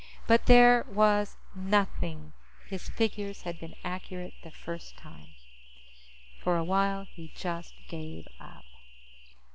But there was nothing. His figures had been accurate the first time. For a while, he just gave up.